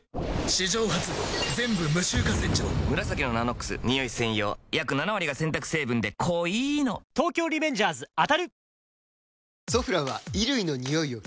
史上初全部無臭化洗浄「紫のＮＡＮＯＸニオイ専用」約７割が洗濯成分で濃いの東京リベンジャーズ当たる！